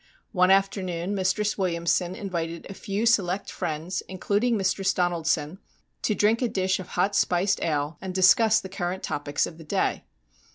One afternoon Mistress Williamson invited a few select friends, including Mistress Donaldson, to drink a dish of hot spiced ale, and discuss the current topics of the day.